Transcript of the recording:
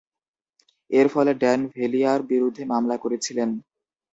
এর ফলে, ড্যান ভেলিয়ার বিরুদ্ধে মামলা করেছিলেন।